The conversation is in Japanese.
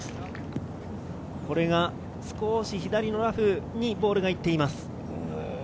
少し左のラフにボールが行っています。